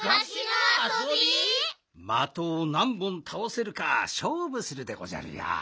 まとをなんぼんたおせるかしょうぶするでごじゃるよ。